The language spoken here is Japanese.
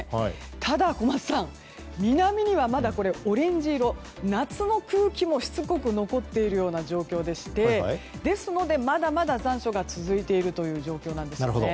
ただ、小松さん南には、まだオレンジ色夏の空気もしつこく残っている状況でしてですので、まだまだ残暑が続いているという状況なんです。